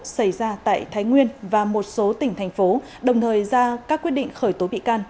xảy ra tại thái nguyên và một số tỉnh thành phố đồng thời ra các quyết định khởi tố bị can